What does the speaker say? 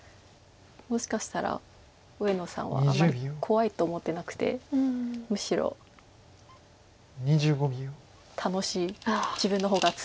もしかしたら上野さんはあんまり怖いと思ってなくてむしろ楽しい自分の方が強いと思ってるかもしれません。